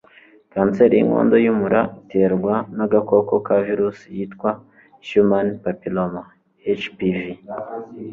Kanseri y'inkondo y'umura iterwa n'agakoko ka virusi yitwa Human Papilloma (HPV)